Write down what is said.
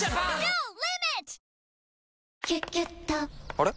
あれ？